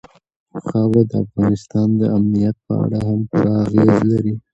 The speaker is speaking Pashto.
خاوره د افغانستان د امنیت په اړه هم پوره اغېز لري.